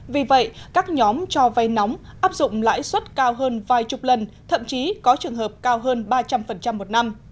vì vậy các nhóm cho vay nóng áp dụng lãi suất cao hơn vài chục lần thậm chí có trường hợp cao hơn ba trăm linh một năm